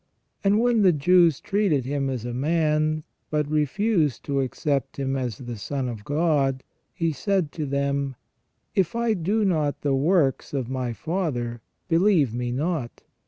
And when the Jews treated Him as a man, but refused to accept Him as the Son of God, He said to them :" If I do not the works of My Father, believe me not.